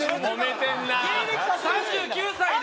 ３９歳で。